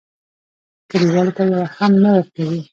کلیوالو ته یوه هم نه ورکوي.